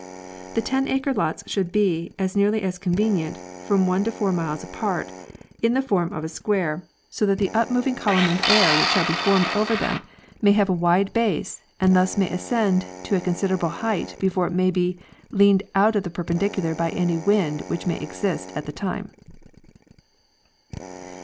The ten acre lots should be, as nearly as conyenient, from one to four miles apart, in the form of a square, so that 8—Nart. Grog. Maa., vor. VI, 1894. 7 FO 52 M. W. Harrington— Weather making. the up moving column of air which shall be formed over them may haye a wide base, and thus may ascend to a considerable height before it may be leaned out of the perpendicular by any wind which may exist at the time.